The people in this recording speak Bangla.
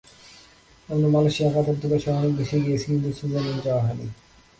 আমরা মালয়েশিয়া, কাতার, দুবাইসহ অনেক দেশেই গিয়েছি, কিন্তু সুইজারল্যান্ড যাওয়া হয়নি।